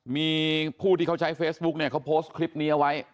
มีผู้ที่เขาใช้เฟซบุ๊กเนี่ยเขาโพสต์คลิปนี้เอาไว้